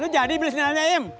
lu jadi beli sinyalnya im